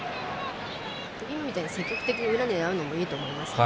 今みたいに積極的に裏を狙うのいいと思いますね。